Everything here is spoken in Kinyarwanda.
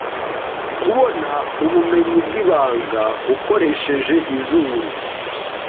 Kubona ubumenyi bwibanga ukoresheje izuru